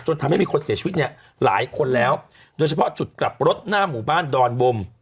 ทำให้มีคนเสียชีวิตเนี่ยหลายคนแล้วโดยเฉพาะจุดกลับรถหน้าหมู่บ้านดอนบม